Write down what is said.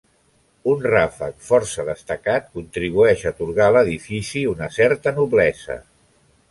Un ràfec força destacat contribueix a atorgar a l'edifici una certa noblesa.